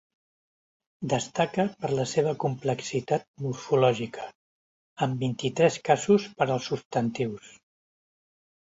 Destaca per la seva complexitat morfològica, amb vint-i-tres casos per als substantius.